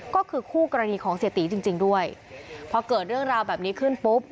ก็คือคู่กรณีของเสียตีจริงจริงด้วยพอเกิดเรื่องราวแบบนี้ขึ้นปุ๊บ